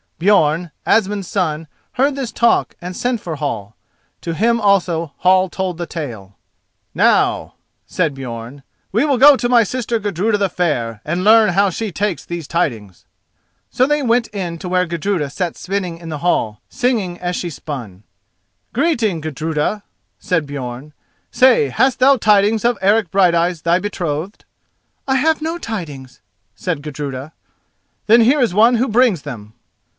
Björn, Asmund's son, heard this talk and sent for Hall. To him also Hall told the tale. "Now," said Björn, "we will go to my sister Gudruda the Fair, and learn how she takes these tidings." So they went in to where Gudruda sat spinning in the hall, singing as she span. "Greeting, Gudruda," said Björn; "say, hast thou tidings of Eric Brighteyes, thy betrothed?" "I have no tidings," said Gudruda. "Then here is one who brings them."